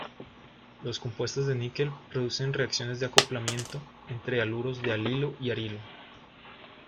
Los compuestos de níquel producen reacciones de acoplamiento entre haluros de alilo y arilo.